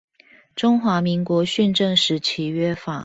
中華民國訓政時期約法